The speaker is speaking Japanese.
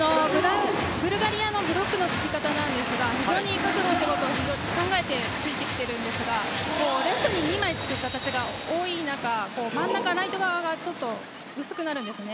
ブルガリアのブロックのつき方なんですが非常に角度考えてついてきているんですがレフトに２枚つく形が多い中真ん中が薄くなるんですね。